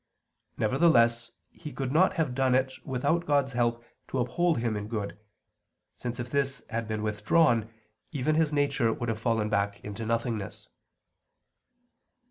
Nevertheless he could not have done it without God's help to uphold him in good, since if this had been withdrawn, even his nature would have fallen back into nothingness.